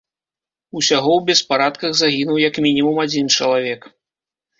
Усяго ў беспарадках загінуў як мінімум адзін чалавек.